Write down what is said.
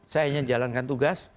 saya hanya jalankan tugas